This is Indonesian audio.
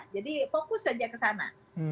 jadi fokus saja ke sana